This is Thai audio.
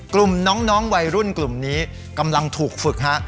กลุ่มน้องวัยรุ่นกลุ่มนี้กำลังถูกฝึกฮะ